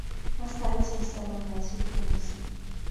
Más tarde se instaló en Nashville, Tennessee.